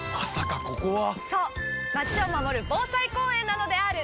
そうまちを守る防災公園なのであーる！